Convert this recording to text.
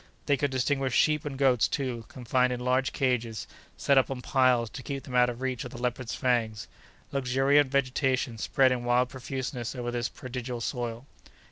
They could distinguish sheep and goats too, confined in large cages, set up on piles to keep them out of reach of the leopards' fangs. Luxuriant vegetation spread in wild profuseness over this prodigal soil.